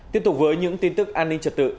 tiếp tục với những tin tức an ninh trật tự